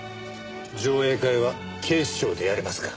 上映会は警視庁でやりますか。